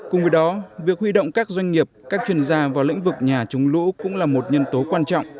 cùng với đó việc huy động các doanh nghiệp các chuyên gia vào lĩnh vực nhà chống lũ cũng là một nhân tố quan trọng